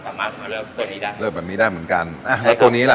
สามารถมาเริ่มตัวนี้ได้เริ่มแบบนี้ได้เหมือนกันอ่าแล้วตัวนี้ล่ะ